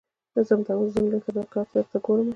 زه همدا اوس ځم انترنيټ کلپ ته درته ګورم يې .